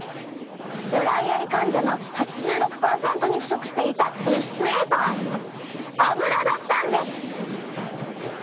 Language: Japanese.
ドライアイ患者の８６％に不足していた物質Ａとはアブラだったんです。